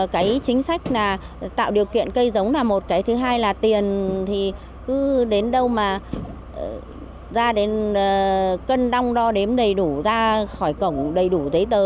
cái chính sách là tạo điều kiện cây giống là một cái thứ hai là tiền thì cứ đến đâu mà ra đến cân đong đo đếm đầy đủ ra khỏi cổng đầy đủ giấy tờ